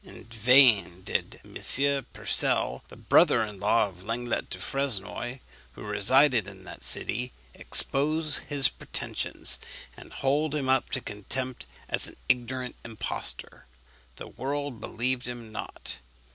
In vain did M. Percel, the brother in law of Lenglet du Fresnoy, who resided in that city, expose his pretensions, and hold him up to contempt as an ignorant impostor: the world believed him not.